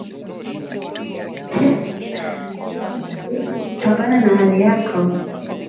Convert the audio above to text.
Pambana na hali yako